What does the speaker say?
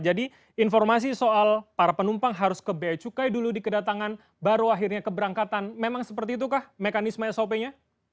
jadi informasi soal para penumpang harus ke beacukai dulu di kedatangan baru akhirnya keberangkatan memang seperti itukah mekanisme sop nya